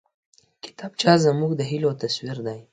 کتابچه زموږ د هيلو تصویر دی